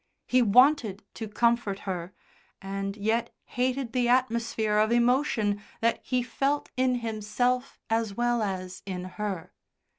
He wanted to comfort her, and yet hated the atmosphere of emotion that he felt in himself as well as in her.